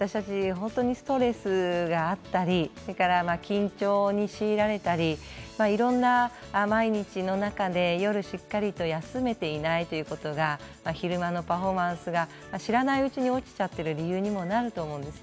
本当にストレスがあったり緊張に強いられたりいろんな毎日の中で夜しっかりと休めていないということが昼間のパフォーマンスが知らないうちに落ちてしまっている理由にもなっていると思うんです。